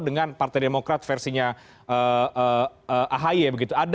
dengan partai demokrat versinya ahy begitu